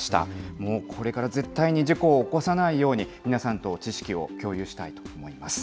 もう、これから絶対に事故を起こさないように、皆さんと知識を共有したいと思います。